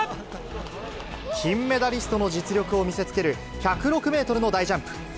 金メダリストの実力を見せつける１０６メートルの大ジャンプ。